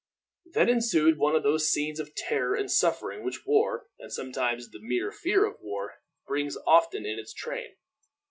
Then ensued one of those scenes of terror and suffering which war, and sometimes the mere fear of war, brings often in its train.